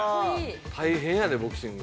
大変やでボクシング。